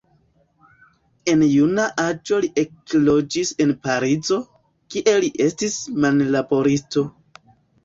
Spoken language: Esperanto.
En juna aĝo li ekloĝis en Parizo, kie li estis manlaboristo.